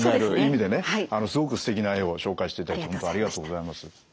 すごくすてきな絵を紹介していただき本当ありがとうございます。